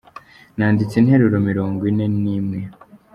Nanditse interuro mirongwine nimwe.